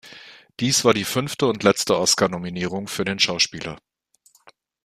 Dies war die fünfte und letzte "Oscar"-Nominierung für den Schauspieler.